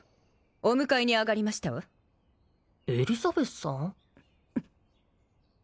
お迎えにあがりましたわエリザベスさん？